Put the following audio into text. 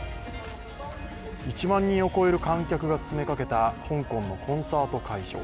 １万人を超える観客が詰めかけた香港のコンサート会場。